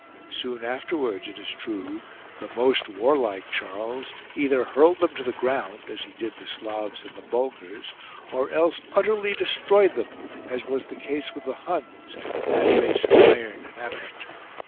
Soon afterwards, it is true, the most warlike Charles either hurled them to the ground, as he did the Slavs and the Bulgars ; or else utterly destroyed them, as was the case with the Huns, that race of iron and adamant.